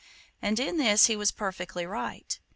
And in this he was perfectly right.